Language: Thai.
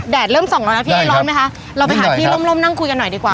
เริ่มส่องแล้วนะพี่ร้อนไหมคะเราไปหาพี่ร่มนั่งคุยกันหน่อยดีกว่า